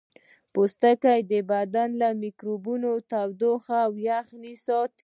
پوستکی بدن له میکروبونو تودوخې او یخنۍ څخه ساتي